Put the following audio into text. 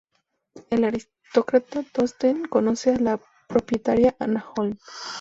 El aristócrata Torsten conoce a la propietaria Anna Holm.